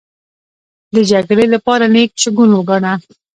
د جګړې لپاره نېک شګون گاڼه.